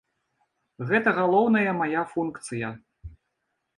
Гэта галоўная мая функцыя.